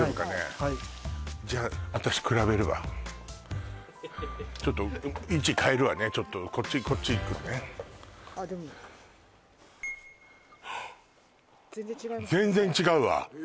はいじゃあ私比べるわちょっと位置変えるわねちょっとこっち行くわね全然違います